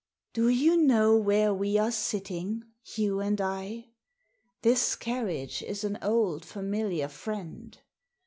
" Do you know where we are sitting, you and I ? This carriage is an old familiar friend.